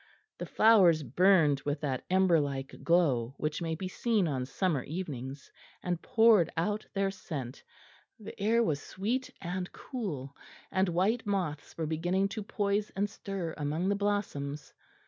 The flowers burned with that ember like glow which may be seen on summer evenings, and poured out their scent; the air was sweet and cool, and white moths were beginning to poise and stir among the blossoms.